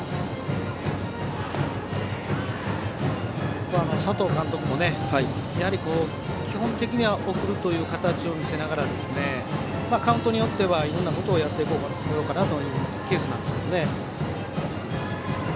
ここは佐藤監督もやはり、基本的に送る形を見せながら、カウントによってはいろいろなことをやってこようかなというケースですね。